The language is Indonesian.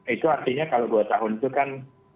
itu artinya kalau dua tahun itu kan